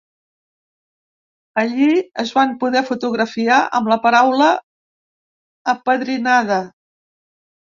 Allí es van poder fotografiar amb la paraula apadrinada.